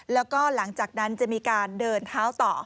แล้วก็หลังจากนั้นจะมีการเดินเท้าต่อ